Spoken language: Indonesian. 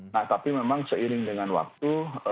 nah tapi memang seiring dengan waktu